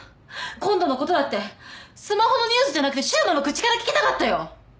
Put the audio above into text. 今度のことだってスマホのニュースじゃなくて柊磨の口から聞きたかったよ。